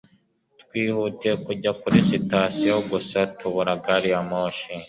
twihutiye kujya kuri sitasiyo gusa tubura gari ya moshi